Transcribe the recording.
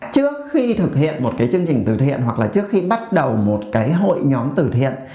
trước khi thực hiện một cái chương trình từ thiện hoặc là trước khi bắt đầu một cái hội nhóm tử thiện